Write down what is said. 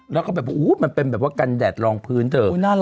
แล้วก็แบบมันเป็นแบบว่ากันแดดรองพื้นเถอะ